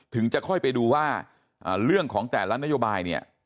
จะค่อยไปดูว่าเรื่องของแต่ละนโยบายเนี่ย